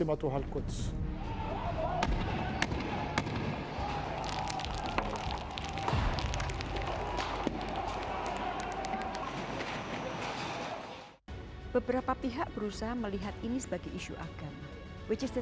bahwa kita harus memberikan keahlian penjagaan